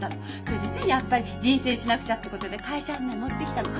それでねやっぱり人選しなくちゃってことで会社案内持ってきたの。